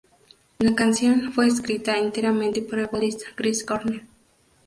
La canción fue escrita enteramente por el vocalista Chris Cornell.